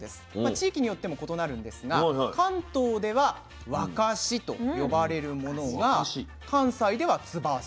地域によっても異なるんですが関東では「わかし」と呼ばれるものが関西では「つばす」。